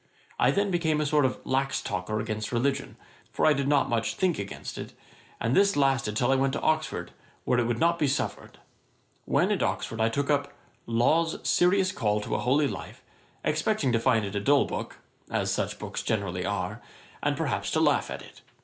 I then became a sort of lax talker against religion, for I did not much think against it; and this lasted till I went to Oxford, where it would not be suffered. When at Oxford, I took up 'Law's Serious Call to a Holy Life,' 'expecting to find it a dull book (as such books generally are), and perhaps to laugh at it.